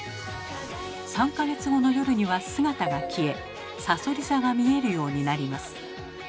３か月後の夜には姿が消えさそり座が見えるようになります。